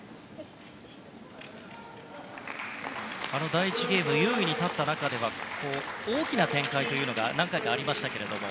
第１ゲーム優位に立った中では大きな展開が何回かありましたが。